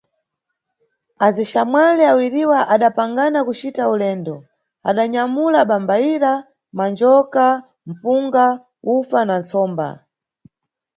Azixamwali awiriwa adapangana kucita ulendo, adanyamula bambayira, manjoka, mpunga, ufa na ntsomba.